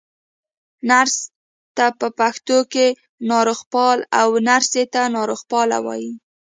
نرس ته په پښتو کې ناروغپال، او نرسې ته ناروغپاله وايي.